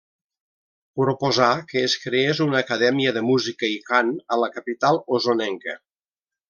Proposà que es creés una acadèmia de música i cant a la capital osonenca.